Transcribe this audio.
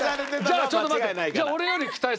じゃあちょっと待って。